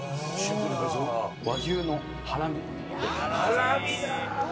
和牛のハラミでございます。